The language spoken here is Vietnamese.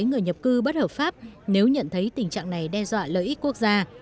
người nhập cư bất hợp pháp nếu nhận thấy tình trạng này đe dọa lợi ích quốc gia